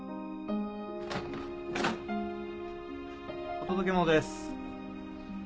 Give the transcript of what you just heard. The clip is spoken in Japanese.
・お届け物です